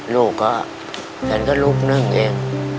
ลูกก็ฉันก็ลุกนั่งเอง